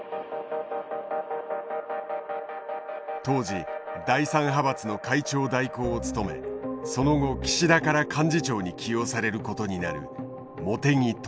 当時第３派閥の会長代行を務めその後岸田から幹事長に起用されることになる茂木